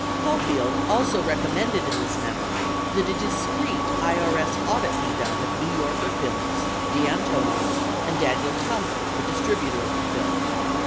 98 Caulfield also recommended in this memo that a discreet IRS audit be done of New Yorker Films, DeAntonio, and Daniel Talbot, the distributor of the film.